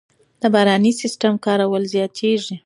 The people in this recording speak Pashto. د باراني سیستم کارول زیاتېږي.